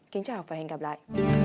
kính chào và hẹn gặp lại